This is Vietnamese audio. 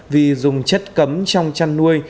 vì dùng chất cấm trong chăn nuôi